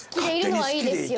はい。